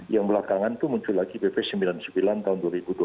yang belakangan itu muncul lagi pp sembilan puluh sembilan tahun dua ribu dua belas